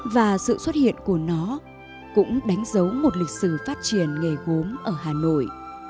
và sự xuất hiện của nó cũng đánh dấu một lịch sử phát triển nghề gốm ở hà nội